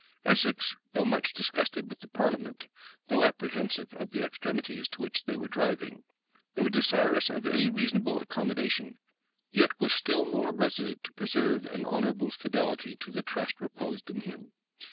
Essex, though much disgusted with the parliament, though apprehensive of the extremities to which they were driving, though desirous of any reasonable accommodation, yet was still more resolute to preserve an honorable fidelity to the trust reposed in him.